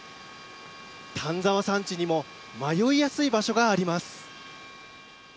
丹沢山地にも、迷いやすい場所があります。